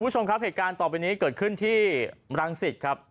ผู้ชมครับเหตุการณ์ต่อไปนี้เกิดกึ่งที่มรังสิทธิ์ครับ